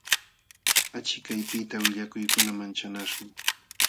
Achikaypiqta willakuykuna manchanaśhmi.